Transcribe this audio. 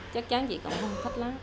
chắc chắn chị cũng không thích lá